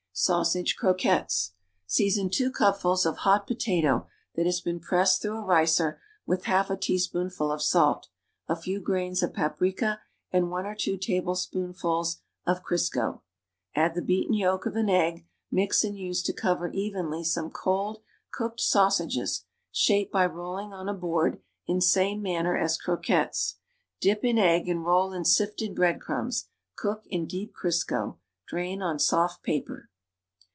SAUSAGE CROQUETTES Season two cupfuls of hot potato that has been pressed through a ricer with half a teaspoonful of salt, a few grains of paprika and one or two tablespoonfuls of Crisco; ndd the beaten yolk of an egg; mix and use to cover evenly some cold, cooked sausages; shape by rolling on a board in same manner as croquettes; dip in egg and roll in sifted bread crumbs; cook In deep Crisco. Drain on soft paper.